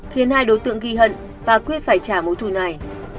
khiến hai đối tượng ghi hận và quyết phải trả mối thu này